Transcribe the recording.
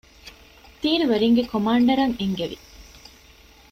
ތީރުވެރީންގެ ކޮމާންޑަރަށް އެންގެވި